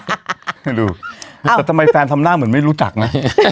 ไม่รู้แต่ทำไมแฟนทำหน้าเหมือนไม่รู้จักนะ